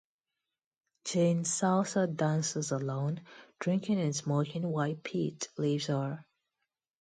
Jane salsa dances alone, drinking and smoking, while Pete leaves her.